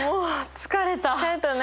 疲れたね！